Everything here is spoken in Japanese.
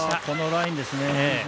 このラインですね。